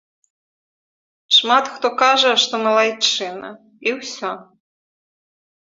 Шмат хто кажа, што малайчына, і ўсё.